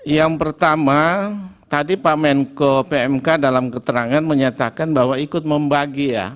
yang pertama tadi pak menko pmk dalam keterangan menyatakan bahwa ikut membagi ya